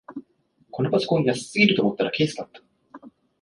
このパソコン安すぎると思ったらケースだった